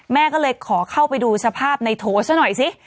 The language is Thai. แม่ก็เลยขอเข้าไปดูสภาพในโถซะหน่อยสิ